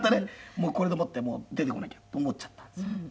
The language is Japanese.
もうこれでもって出てこなきゃと思っちゃったんです。